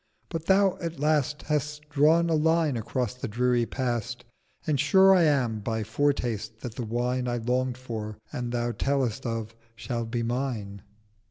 But Thou at last Hast drawn a line across the dreary Past, And sure I am by Foretaste that the Wine I long'd for, and Thou tell'st of, shall be mine.'